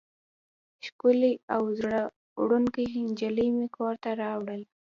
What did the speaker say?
ښکلې او زړه وړونکې نجلۍ مې کور ته راوړه.